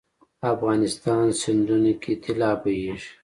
افغانستان سیندونو کې طلا بهیږي